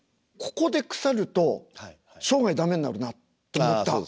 ここでくさると生涯駄目になるなと思った。